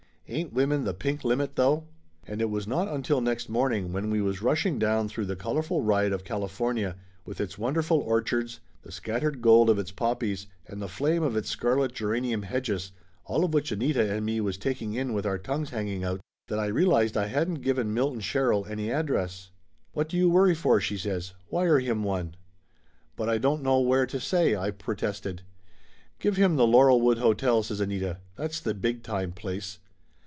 Ain't women the pink limit, though? And it was not until next morning when we was rushing down through the colorful riot of California, with its wonderful orchards, the scattered gold of its poppies, and the flame of its scarlet geranium hedges, all of which Anita and me was taking in with our tongues hanging out, that I realized I hadn't given Milton Sherrill any address. Laughter Limited 73 "What do you worry for?" she says. "Wire him one." "But I don't know where to say," I protested. "Give him the Laurelwood Hotel," says Anita. "That's the big time place."